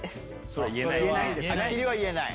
それは言えない？